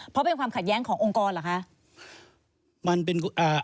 เพราะเป็นความขัดแย้งขององค์กรเหรอคะ